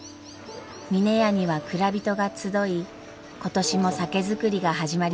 峰屋には蔵人が集い今年も酒造りが始まります。